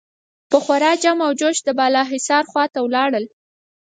په خورا جم و جوش د بالاحصار خوا ته ولاړل.